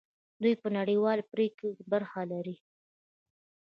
دوی په نړیوالو پریکړو کې برخه لري.